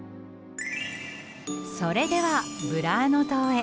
それではブラーノ島へ。